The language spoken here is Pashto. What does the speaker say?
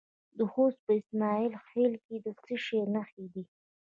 د خوست په اسماعیل خیل کې د څه شي نښې دي؟